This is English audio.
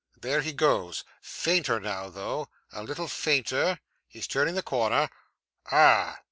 There he goes. Fainter now, though. A little fainter. He's turning the corner. Ah!